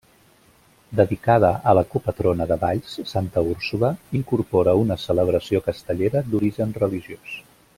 Dedicada a la copatrona de Valls, Santa Úrsula, incorpora una celebració castellera d'origen religiós.